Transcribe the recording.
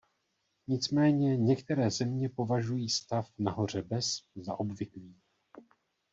Nicméně některé země považují stav nahoře bez za obvyklý.